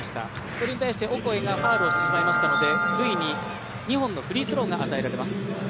それに対してオコエがファウルをしてしまいましたのでルイに２本のフリースローが与えられます。